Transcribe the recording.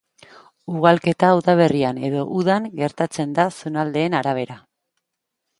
Ugalketa udaberrian edo udan gertatzen da zonaldeen arabera.